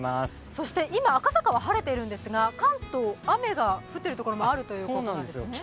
そして今、赤坂は晴れているんですが、関東、雨が降っているところもあるんですね。